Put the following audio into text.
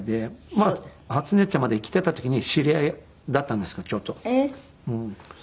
まあ初音ちゃんまだ生きてた時に知り合いだったんですけどちょっと。